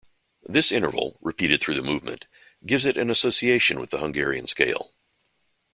This interval, repeated through the movement, gives it an association with the Hungarian scale.